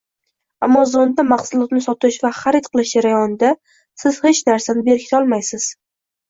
“Amazon”da mahsulotni sotish va xarid qilish jarayonida siz hech narsani berkitolmaysiz.